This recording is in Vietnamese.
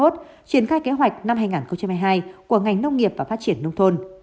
triển khai kế hoạch năm hai nghìn hai mươi hai của ngành nông nghiệp và phát triển nông thôn